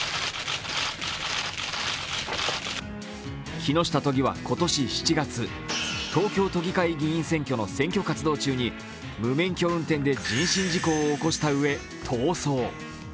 木下都議は今年７月、東京都議会の選挙活動中、無免許運転で人身事故を起こしたうえ、逃走。